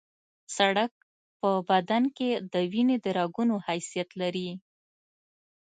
سړک په بدن کې د وینې د رګونو حیثیت لري